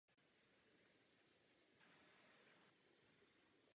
Odpůrci takové změny se neúspěšně pokusili prosadit referendum o něm.